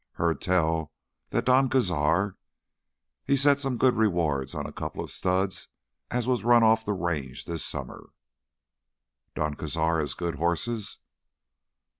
Heard tell that Don Cazar, he's set some good rewards on a coupla studs as was run off th' Range this summer." "Don Cazar has good horses?"